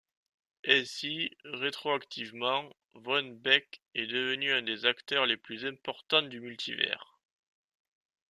Ainsi rétroactivement, von Bek est devenu un des acteurs les plus importants du Multivers.